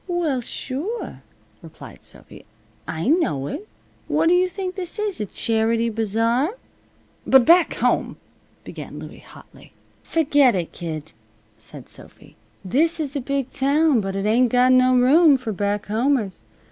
"Well, sure," replied Sophy. "I know it. What do you think this is? A charity bazaar?" "But back home " began Louie, hotly. "Ferget it, kid," said Sophy. "This is a big town, but it ain't got no room for back homers.